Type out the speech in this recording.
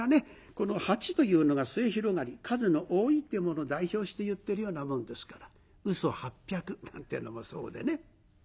この八というのが末広がり数の多いというものを代表していってるようなもんですから「嘘八百」なんてのもそうでね。